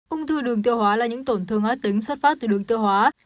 ưng thư đường tiêu hóa là những tổn thương hóa tính xuất phát từ đường tiêu hóa